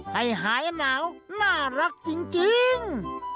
ให้หายหนาวน่ารักจริง